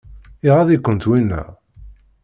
Iɣaḍ-ikent winna?